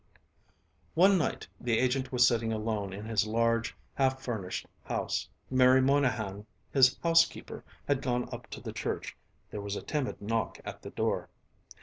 One night the agent was sitting alone in his large, half furnished house. Mary Moynahan, his housekeeper, had gone up to the church. There was a timid knock at the door.